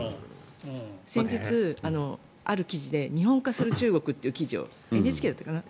先日、ある記事で日本化する中国という記事をＮＨＫだったかな？